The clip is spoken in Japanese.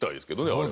あれ。